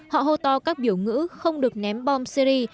họ hô to các biểu ngữ không được ném bom syri